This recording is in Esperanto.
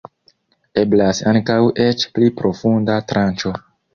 Eblas ankaŭ eĉ pli profunda tranĉo.